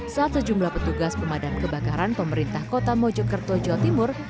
saat sejumlah petugas pemadam kebakaran pemerintah kota mojokerto jawa timur